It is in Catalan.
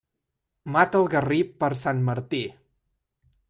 Mata el garrí per Sant Martí.